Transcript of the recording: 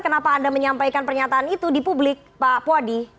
kenapa anda menyampaikan pernyataan itu di publik pak puadi